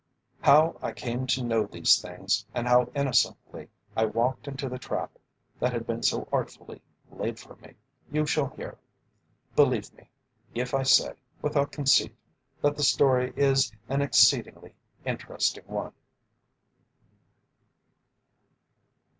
How I came to know these things and how innocently I walked into the trap that had been so artfully laid for me, you shall hear. Believe me, if I say, without conceit, that the story is an exceedingly interesting one.